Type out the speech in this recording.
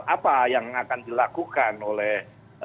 apa yang akan dilakukan oleh